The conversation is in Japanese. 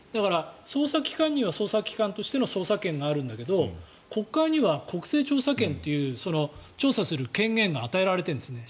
捜査機関には捜査機関としての捜査権があるんだけど国会には国政調査権という調査する権限が与えられているんですね。